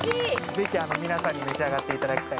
ぜひ皆さんに召し上がっていただきたい。